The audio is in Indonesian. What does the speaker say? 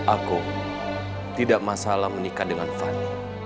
aku tidak masalah menikah dengan fanny